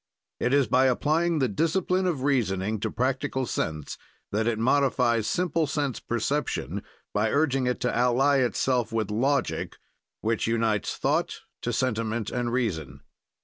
It is by applying the discipline of reasoning to practical sense that it modifies simple sense perception by urging it to ally itself with logic, which unites thought to sentiment and reason.